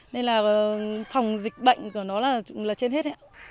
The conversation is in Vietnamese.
nên là phòng dịch bệnh của nó là trên hết ạ